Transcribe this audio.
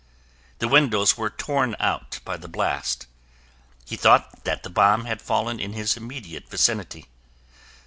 The windows were torn out by the blast. He thought that the bomb had fallen in his immediate vicinity.